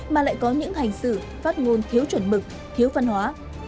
mà lại có những hành xử phát ngôn thiếu chuẩn mực thiếu văn hóa